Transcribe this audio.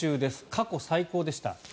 過去最高でした。